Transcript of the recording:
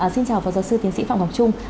xin chào phó giáo sư tiến sĩ phạm ngọc trung